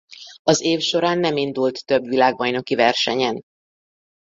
Az év során nem indult több világbajnoki versenyen.